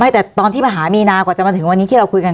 แต่ตอนที่มหามีนากว่าจะมาถึงวันนี้ที่เราคุยกัน